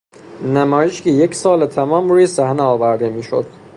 نمایشی که یک سال تمام روی صحنه آورده میشد